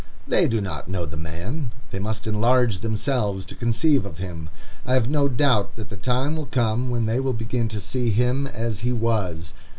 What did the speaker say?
They do not know the man. They must enlarge themselves to conceive of him. I have no doubt that the time will come when they will begin to see him as he was.